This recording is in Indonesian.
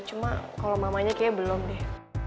cuma kalau mamanya kayaknya belum deh